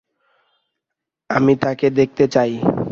আমি তাকে দেখতে চাই।